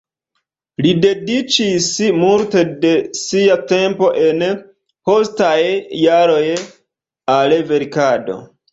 Li dediĉis multe de sia tempo en postaj jaroj al verkado.